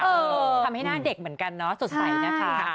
ทำให้หน้าเด็กเหมือนกันเนาะสดใสนะคะ